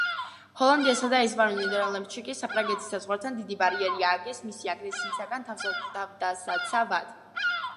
ჰოლანდიასა და ესპანურ ნიდერლანდებში კი საფრანგეთის საზღვართან დიდი ბარიერი ააგეს მისი აგრესიისაგან თავდასაცავად.